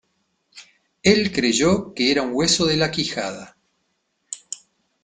Él creyó que era un hueso de la quijada.